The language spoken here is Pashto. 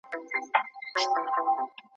چی هر لوري ته یې مخ سي موږ منلی